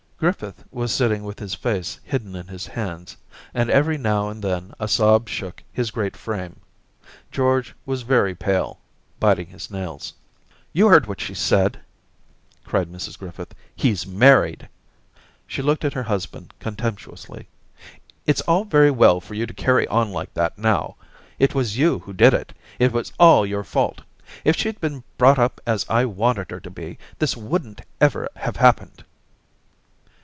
Griffith was sitting with his face hidden in his hands, and every now and then a sob shook his great frame. George was very pale, biting his nails. 'You heard what she said,' cried Mrs Griffith. * He's married !'... She looked at her husband contemptuously. ' It's all very well* for you to carry on like that now. It was you who did it; it was all your fault. If she'd been brought up as I wanted her to be, this wouldn't ever have happened.'